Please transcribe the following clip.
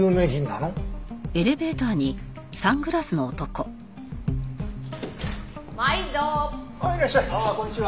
あっこんにちは。